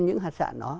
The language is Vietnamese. những hạt sản đó